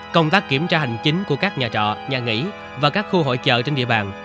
công tác kiểm tra hành chính của các nhà trọ nhà nghỉ và các khu hội chợ trên địa bàn